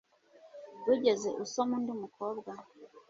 Wigeze usoma undi mukobwa?